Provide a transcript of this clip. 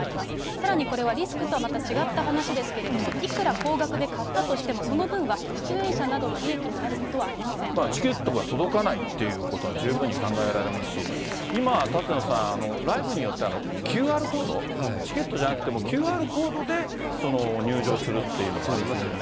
さらにこれはリスクとはまた違った話ですけれども、いくら高額で買ったとしても、その分は出演者などの利益になるこチケットが届かないっていうことは十分に考えられますし、今、舘野さん、ライブによってはＱＲコード、チケットじゃなくて、もうＱＲコードで入場するっていうのもありますよね。